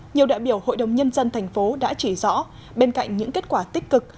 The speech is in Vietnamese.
nhiều đại biểu hội đồng nhân dân tp hcm đã chỉ rõ bên cạnh những kết quả tích cực